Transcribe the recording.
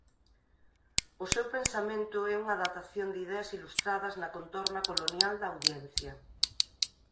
O seu pensamento é unha adaptación de ideas ilustradas na contorna colonial da Audiencia.